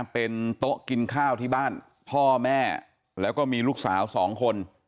เป็นโต๊ะกินข้าวที่บ้านพ่อแม่แล้วก็มีลูกสาว๒คน